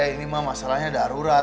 ini mah masalahnya darurat